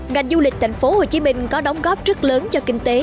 ngành du lịch tp hcm có đóng góp rất lớn cho kinh tế